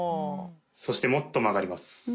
そしてもっと曲がります。